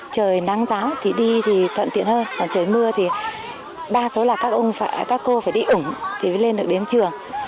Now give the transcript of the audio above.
trời nắng giáo thì đi thì tận tiện hơn còn trời mưa thì ba số là các cô phải đi ủng thì lên được đến trường